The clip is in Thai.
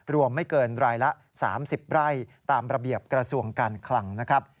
ไม่เกินรายละ๓๐ไร่ตามระเบียบกระทรวงการคลังนะครับ